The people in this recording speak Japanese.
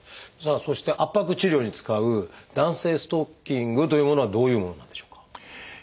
そして圧迫治療に使う弾性ストッキングというものはどういうものなんでしょうか？